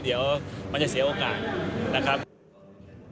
เดี๋ยวมันจะเสียโอกาส